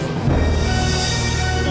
biar kamu bisa diobatin